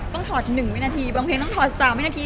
ถอด๑วินาทีบางเพลงต้องถอด๓วินาที